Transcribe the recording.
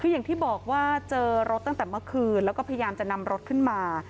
คืออย่างที่บอกว่าเจอรถตั้งแต่เมื่อคืนแล้วก็พยายามจะนำรถขึ้นมา